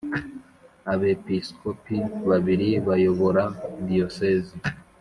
Abepiskopi babiri bayobora Diyosezi.